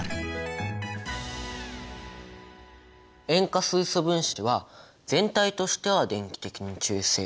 塩化水素分子は全体としては電気的に中性。